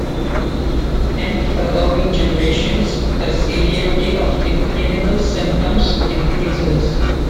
In following generations, the severity of the clinical symptoms increases.